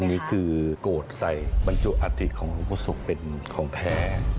อันนี้คือกดใส่บรรจุอาธิของหลวงภูมิสงฆ์เป็นของแทน